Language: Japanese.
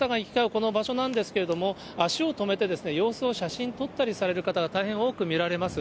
この場所なんですけれども、足を止めて様子を写真撮ったりされる方が大変多く見られます。